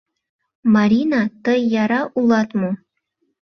Марина, тый яра улат мо?